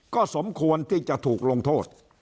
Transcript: ก็สมควรที่จะถูกลงโทษ